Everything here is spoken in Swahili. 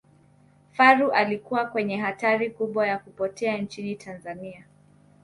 faru alikuwa kwenye hatari kubwa ya kupotea nchini tanzania